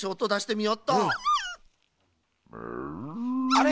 あれ？